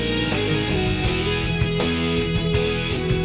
เพลง